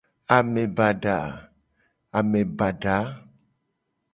Ame bada a.